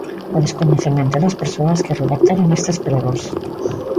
O descoñecemento das persoas que redactaron estes pregos.